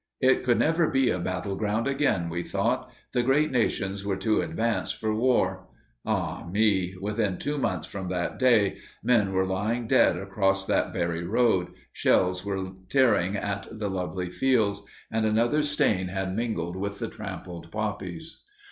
It could never be a battle ground again, we thought the great nations were too advanced for war. Ah me! within two months from that day men were lying dead across that very road, shells were tearing at the lovely fields, and another stain had mingled with the trampled poppies.